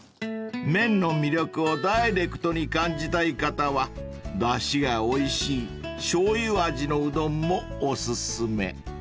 ［麺の魅力をダイレクトに感じたい方はだしがおいしいしょうゆ味のうどんもお薦め］